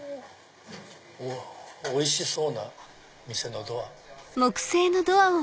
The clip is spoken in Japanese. おいしそうな店のドア。